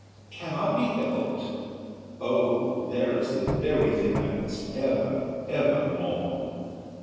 "Cannot be helped! Oh! there is the very thing I must ever, ever mourn."